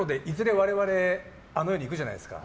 我々あの世に行くじゃないですか。